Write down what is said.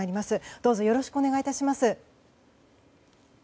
どうぞよろしくお願い致します。